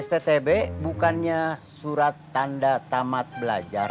sttb bukannya surat tanda tamat belajar